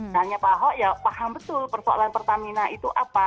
misalnya pak ahok ya paham betul persoalan pertamina itu apa